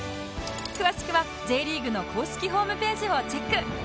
詳しくは Ｊ リーグの公式ホームページをチェック